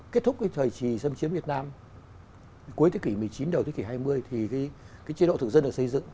kết thúc cái thời kỳ xâm chiếm việt nam cuối thế kỷ một mươi chín đầu thế kỷ hai mươi thì cái chế độ thực dân được xây dựng